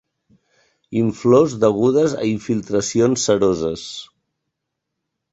Inflors degudes a infiltracions seroses.